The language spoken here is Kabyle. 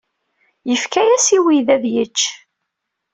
Yefka-as i uydi ad yečč.